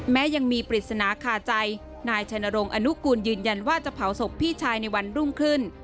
แม้ยังมีปริศนาคาใจนายชัยนรงค์อนุกูลยืนยันว่าจะเผาศพพี่ชายในวันรุ่งขึ้น